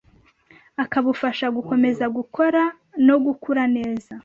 akabufasha gukomeza gukora no gukura neza